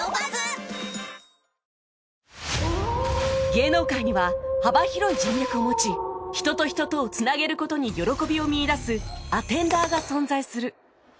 芸能界には幅広い人脈を持ち人と人とをつなげる事に喜びを見いだすアテンダーが存在する